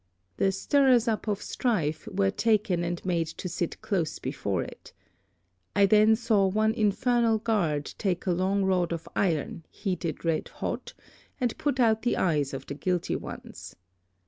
The stirrers up of strife were taken and made to sit close before it. I then saw one infernal guard take a long rod of iron, heat it red hot, and put out the eyes of the guilty ones.